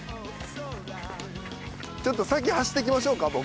ちょっと先走っていきましょうか？